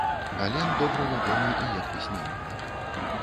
Ален добра вядомы і як пісьменнік.